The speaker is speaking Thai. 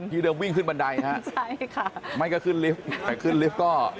ที่เดิมวิ่งขึ้นบันไดค่ะ